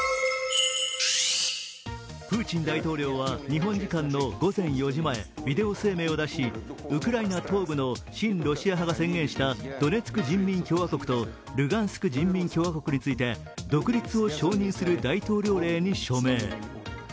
プーチン大統領は日本時間の午前４時前、ビデオ声明を出し、ウクライナ東部のの親ロシア派が宣言したドネツク人民共和国とルガンスク人民共和国について独立を承認する大統領令に署名。